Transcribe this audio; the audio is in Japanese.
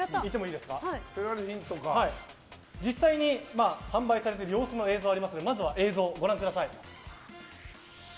実際に販売されている映像がありますがまずは映像をご覧ください。